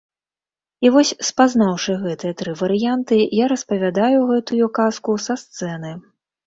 І вось спазнаўшы гэтыя тры варыянты, я распавядаю гэтую казку са сцэны.